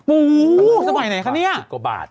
โอ้โหสมัยไหนคะเนี่ย๑๐กว่าบาท